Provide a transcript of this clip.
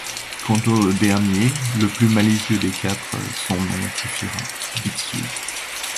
Quant au dernier, le plus malicieux des quatre, son nom suffira : Bixiou !